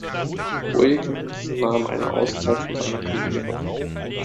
Williams nahm eine Auszeit von seiner Karriere.